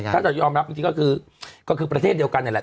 ถ้าจะยอมรับจริงก็คือประเทศเดียวกันนั่นแหละ